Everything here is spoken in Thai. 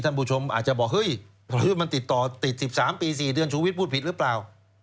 ผู้ชมอาจจะบอกเฮ้ยมันติดต่อติด๑๓ปี๔เดือนชูวิทย์พูดผิดหรือเปล่า